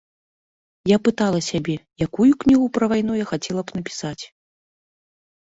Я пытала сябе, якую кнігу пра вайну я хацела б напісаць.